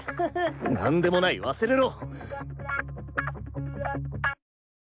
何でもない忘れろ。